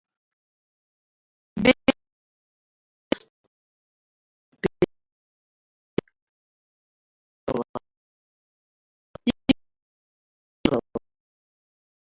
Ҷиҷибериа дахьҭакызынтәи арзаҳал иҩит Бериа ихьӡала гыршәала, иқәыргахьаз ҩырала.